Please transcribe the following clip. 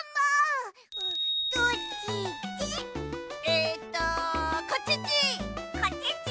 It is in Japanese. えっとこっちっち！